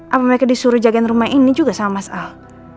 apa mereka disuruh jagain rumah ini juga sama mas al